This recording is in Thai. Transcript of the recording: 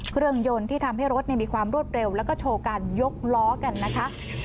เครื่องยนต์ที่ทำให้รถมีความรวดเร็วแล้วก็โชว์การยกล้อกันนะคะ